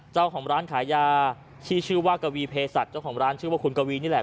เจ้าของร้านขายยาที่ชื่อว่ากวีเพศัตริย์เจ้าของร้านชื่อว่าคุณกวีนี่แหละ